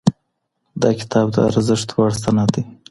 دا کتاب د ارزښت وړ سند دی.